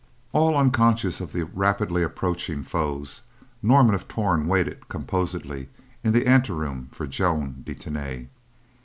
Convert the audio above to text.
All unconscious of the rapidly approaching foes, Norman of Torn waited composedly in the anteroom for Joan de Tany.